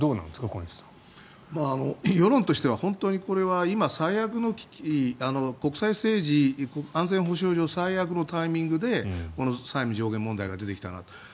小西さん世論としては本当にこれは今、国際政治、安全保障上最悪のタイミングで債務上限問題が出てきたなと。